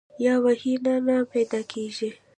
یا وحي نه نۀ پېدا کيږي